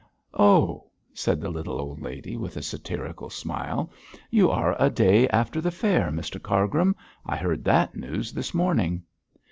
'Oh,' said the little old lady, with a satirical smile, 'you are a day after the fair, Mr Cargrim. I heard that news this morning.'